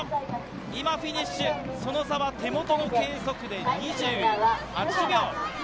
今フィニッシュ、その差は手元の計測で２８秒。